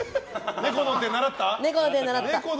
猫の手、習った。